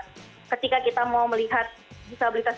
jadi saya rasa ketika kita mau melihat disabilitas disabilitas